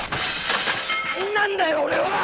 何なんだよ俺は！